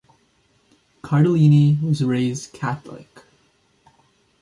Cardellini was raised Catholic.